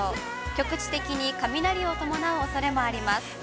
局地的に雷を伴うおそれもあります。